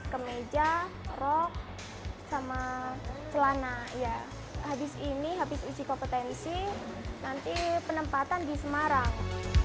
kemeja rok sama celana ya habis ini habis uji kompetensi nanti penempatan di semarang